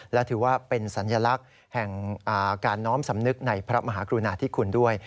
และถือว่าเป็นสัญลักษณ์แห่งการน้อมสำนึกในพระมหากรุณาธิคุณด้วย